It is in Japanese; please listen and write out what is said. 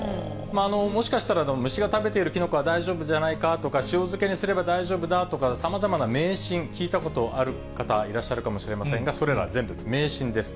もしかしたら、虫が食べているキノコは大丈夫じゃないかとか、塩漬けにすれば大丈夫だとか、さまざまな迷信聞いたことある方、いらっしゃるかもしれませんが、それらは全部、迷信です。